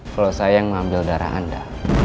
kalau saya yang mengambil darah anda